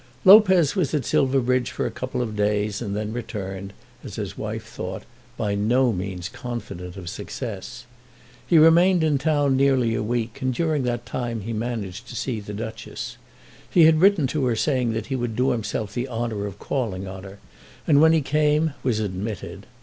Lopez was at Silverbridge for a couple of days, and then returned, as his wife thought, by no means confident of success. He remained in town nearly a week, and during that time he managed to see the Duchess. He had written to her saying that he would do himself the honour of calling on her, and when he came was admitted.